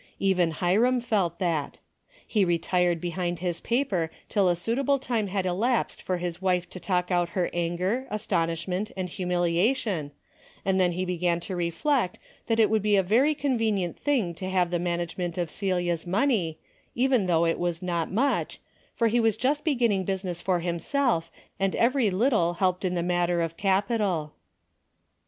Even Hiram felt that. He retired behind his paper till a suitable time had elapsed for his wife to talk out her anger, astonishment, and humiliation, and then he began to reflect that it would be a very con venient thing to have the management of Celia's money, even though it was not much, for he was just beginning business for himself and every little helped in the matter of cap ital.